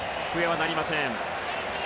笛は鳴りません。